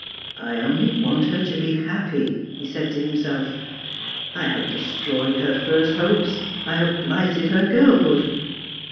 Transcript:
' I only want her to be happy,' he said to himself. ' I have destroyed her first hopes ; I have blighted her girlhood.